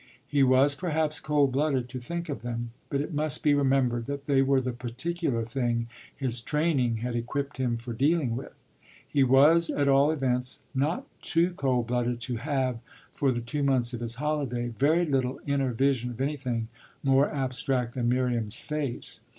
He was perhaps cold blooded to think of them, but it must be remembered that they were the particular thing his training had equipped him for dealing with. He was at all events not too cold blooded to have, for the two months of his holiday, very little inner vision of anything more abstract than Miriam's face.